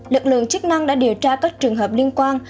lực lượng chức năng đã điều tra các trường hợp liên quan